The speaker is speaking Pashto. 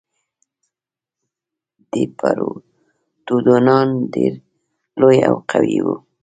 ديپروتودونان ډېر لوی او قوي وو.